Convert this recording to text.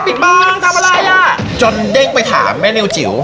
ปิดบังทำอะไรอ่ะจนเด้งไปถามแม่เนวจิ๋ว